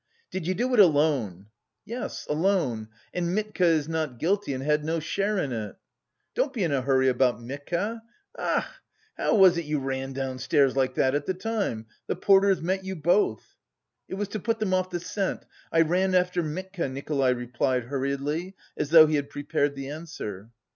"Did you do it alone?" "Yes, alone. And Mitka is not guilty and had no share in it." "Don't be in a hurry about Mitka! A ach! How was it you ran downstairs like that at the time? The porters met you both!" "It was to put them off the scent... I ran after Mitka," Nikolay replied hurriedly, as though he had prepared the answer.